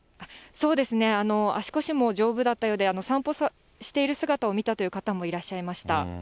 そうですね、足腰も丈夫だったようで、散歩している姿を見たという方もいらっしゃいました。